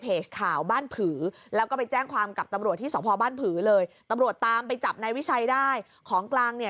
ข่าวบ้านผือแล้วก็ไปแจ้งความกับตำรวจที่สพบ้านผือเลยตำรวจตามไปจับนายวิชัยได้ของกลางเนี่ย